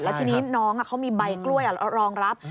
แล้วทีนี้น้องเขามีใบกล้วยรองรับ